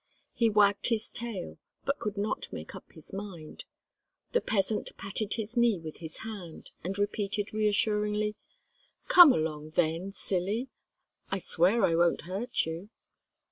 He wagged his tail, but could not make up his mind. The peasant patted his knee with his hand, and repeated reassuringly: "Come along, then, silly. I swear I won't hurt you."